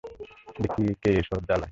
দেখি কে এই শহর জ্বালায়!